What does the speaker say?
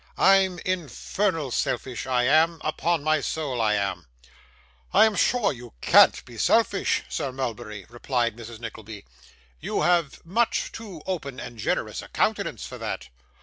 I'm infernal selfish; I am upon my soul I am.' 'I am sure you can't be selfish, Sir Mulberry!' replied Mrs. Nickleby. 'You have much too open and generous a countenance for that.